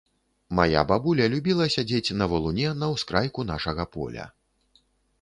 Мая бабуля любіла сядзець на валуне на ўскрайку нашага поля.